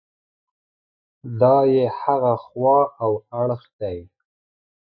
دا یې هغه خوا او اړخ دی.